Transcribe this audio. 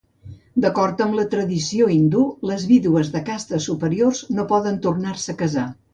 D'acord amb la tradició hindú, les vídues de castes superiors no poden tornar-se a casar.